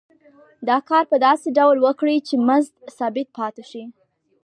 دا کار په داسې ډول وکړي چې مزد ثابت پاتې شي